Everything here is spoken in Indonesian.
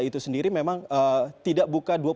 itu sendiri memang tidak buka